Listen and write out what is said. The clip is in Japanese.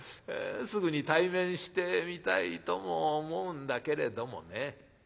すぐに対面してみたいとも思うんだけれどもね